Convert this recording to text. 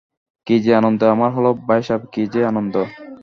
কী যে আনন্দ আমার হল ভাইসাহেব-কী যে আনন্দ!